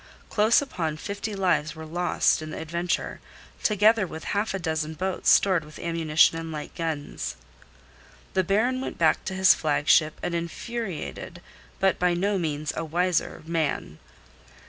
Close upon fifty lives were lost in the adventure, together with half a dozen boats stored with ammunition and light guns. The Baron went back to his flagship an infuriated, but by no means a wiser man.